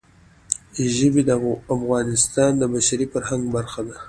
ژبې د افغانستان د بشري فرهنګ برخه ده.